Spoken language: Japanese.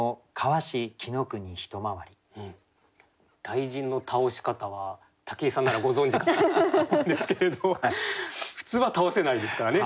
雷神の倒し方は武井さんならご存じかと思うんですけれど普通は倒せないですからね。